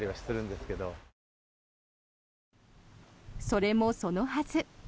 それもそのはず。